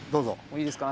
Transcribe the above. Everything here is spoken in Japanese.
いいですか？